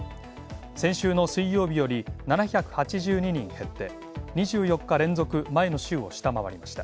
先週の水曜日より７８２人減って２４日連続前の週を下回りました。